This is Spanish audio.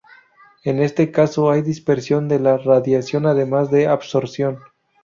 En este caso hay dispersión de la radiación además de absorción.